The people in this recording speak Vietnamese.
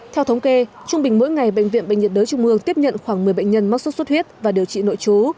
theo thống kê trung bình mỗi ngày bệnh viện bệnh nhiệt đới trung ương tiếp nhận khoảng một mươi bệnh nhân mắc sốt xuất huyết và điều trị nội trú